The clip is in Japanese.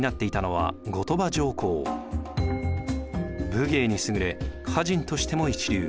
武芸に優れ歌人としても一流。